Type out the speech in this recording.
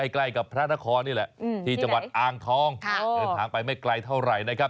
ใกล้กับพระนครนี่แหละที่จังหวัดอ่างทองเดินทางไปไม่ไกลเท่าไหร่นะครับ